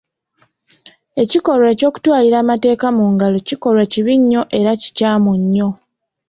Ekikolwa ky'okutwalira amateeka mu ngalo kikolwa kibi nnyo era kikyamu nnyo.